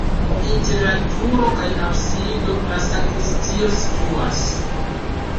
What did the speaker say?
Inter la turo kaj absido la sakristio situas.